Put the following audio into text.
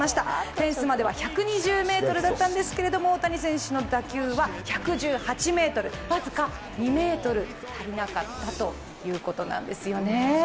フェンスまで１２０ｍだったんですけど、大谷選手は１１８ｍ、僅か２ｍ足りなかったということなんですよね。